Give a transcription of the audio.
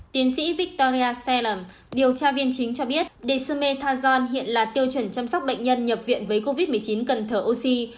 tiến sĩ victoria salem điều tra viên chính cho biết dsome tang hiện là tiêu chuẩn chăm sóc bệnh nhân nhập viện với covid một mươi chín cần thở oxy